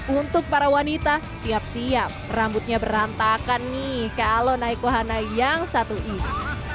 untuk para wanita siap siap rambutnya berantakan nih kalau naik wahana yang satu ini